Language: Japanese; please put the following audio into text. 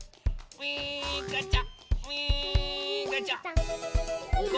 ウィーンガチャ！